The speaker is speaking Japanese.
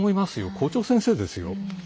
校長先生ですよ。